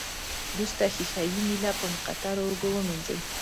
وروسته ښيښه یي میله په مقطرو اوبو ومینځئ.